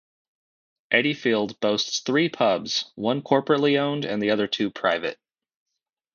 Adeyfield boasts three pubs, one corporately owned and the other two private.